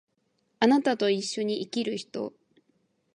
貴方と一緒に生きる人